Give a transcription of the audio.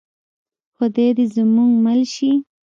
خدای دې زموږ مل شي؟